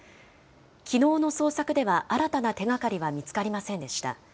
きのうの捜索では、新たな手がかりは見つかりませんでした。